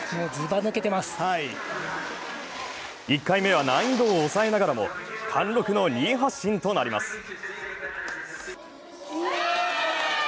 １回目は難易度を抑えながらも貫禄の２位発進となります。